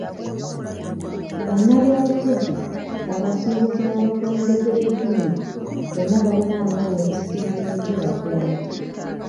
Bannabyabufuzi ,abasuubuzi n'abakulembeze b'eddiini bonna balina amaanyi okusikiriza enkulaakulana .